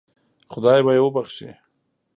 خدای به یې وبخشي.